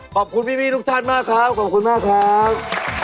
ขอบคุณพี่ทุกท่านมากครับขอบคุณมากครับ